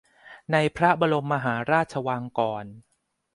ในพระบรมมหาราชวังก่อน